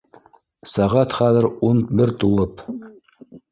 Сәғәт хәҙер ун бер тулып